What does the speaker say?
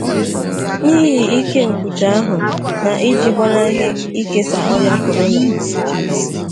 n'ihi ike nkwụchà ahụ na iji gbanahị ikesà ọrịa korona.